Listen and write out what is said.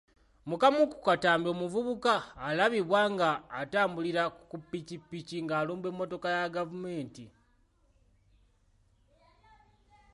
Mu kamu ku katambi omuvubuka alabibwa ng’atambulira ki ppikipiki ng’alumba emmotoka ya gavumenti.